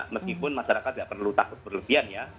meskipun masyarakat tidak perlu takut berlebihan ya